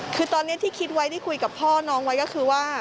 คือตอนนี้ที่คิดไว้ได้คุยกับพ่อน้องไว้ก็คือว่า